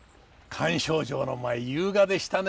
菅丞相の舞優雅でしたね。